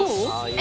え